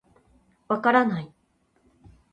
分からない。